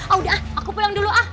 ah udah aku pulang dulu ah